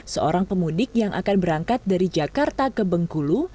seorang pemudik yang akan berangkat dari jakarta ke bengkulu